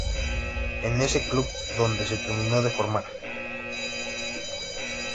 Es en ese club donde se terminó de formar.